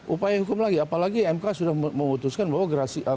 upaya hukum lagi apalagi mk sudah memutuskan bahwa gerasi